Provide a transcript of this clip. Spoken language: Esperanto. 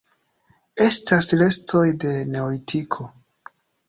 Estas restoj de Neolitiko.